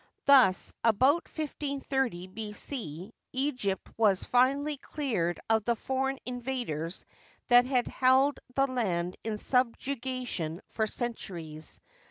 Thus, about 1530 B. C, Egypt was finally cleared of the foreign invaders that had neld the land in subjugation for centuries.